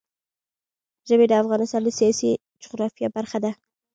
ژبې د افغانستان د سیاسي جغرافیه برخه ده.